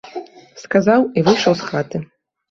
Сказаў і выйшаў з хаты.